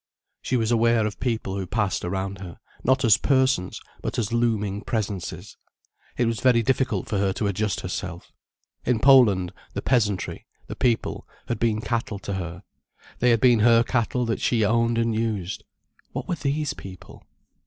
She was aware of people who passed around her, not as persons, but as looming presences. It was very difficult for her to adjust herself. In Poland, the peasantry, the people, had been cattle to her, they had been her cattle that she owned and used. What were these people?